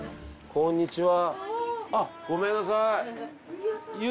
こんにちは。